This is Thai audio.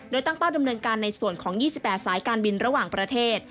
โดยตั้งเป้าดำเนินการในส่วนของ๒๘สายการบินระหว่างประเทศ